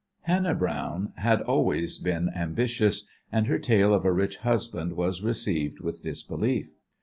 Hannah Browne had always been ambitious, and her tale of a rich husband was received with disbelief.